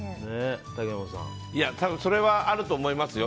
それはあると思いますよ。